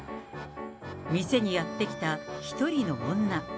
店にやって来た一人の女。